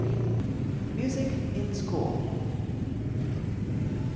MUSIC IN SCHOOL.